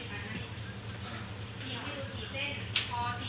แผ่นโพสัญยากเลย